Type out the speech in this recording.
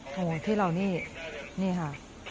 โอ้โฮพี่เหล่านี่นี่ค่ะ